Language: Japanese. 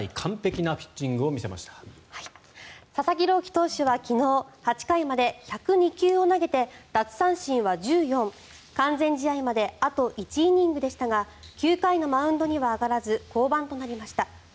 希投手は昨日８回まで１０２球を投げて奪三振は１４、完全試合まであと１イニングでしたが９回のマウンドには上がらず降板となりました。